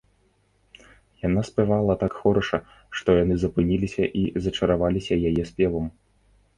Яна спявала так хораша, што яны запыніліся і зачараваліся яе спевам